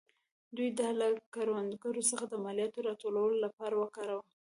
دوی دا له کروندګرو څخه د مالیاتو راټولولو لپاره وکاراوه.